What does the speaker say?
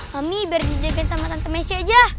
mami biar dijagain sama tante messi aja